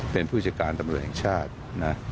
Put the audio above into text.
เป็นผู้จัดการตำรวจแห่งชาตินะ